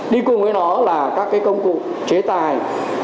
đi cùng với nó là các công cụ chế tài